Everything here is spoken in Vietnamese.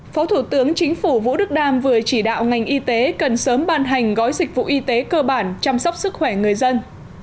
phó thủ tướng chính phủ vũ đức đam vừa chỉ đạo ngành y tế cần sớm ban hành gói dịch vụ y tế cơ bản chăm sóc sức khỏe người dân